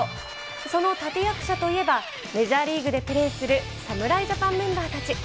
その立て役者といえば、メジャーリーグでプレーする侍ジャパンメンバーたち。